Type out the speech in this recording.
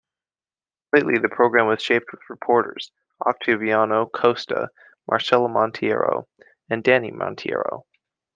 Lately, the program was shaped with reporters: Otaviano Costa, Marcela Monteiro and Dani Monteiro.